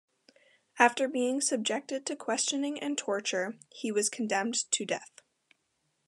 After being subjected to questioning and torture, he was condemned to death.